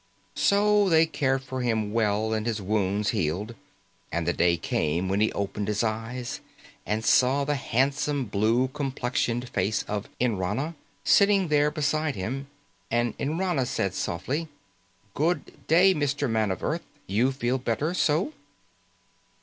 So they cared for him well, and his wounds healed, and the day came when he opened his eyes and saw the handsome blue complexioned face of Nrana sitting there beside him, and Nrana said softly, "Good day, Mr. Man of Earth. You feel better, no?"